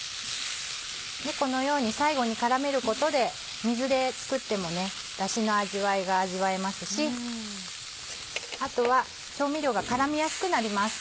このように最後に絡めることで水で作ってもダシの味わいが味わえますしあとは調味料が絡みやすくなります。